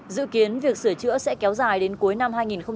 dự kiến việc sửa chữa sẽ kéo dài đến cuối năm hai nghìn hai mươi